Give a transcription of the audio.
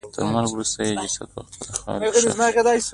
تر مرګ وروسته یې جسد په خپله خاوره کې ښخ شي.